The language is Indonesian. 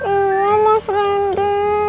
iya mas rendy